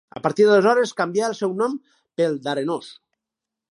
A partir d'aleshores canvià el seu cognom pel d'Arenós.